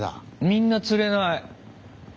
みんな釣れない。